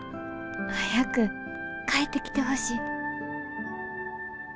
早く帰ってきてほしい」。